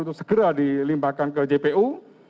untuk segera dilimpahkan ke jpu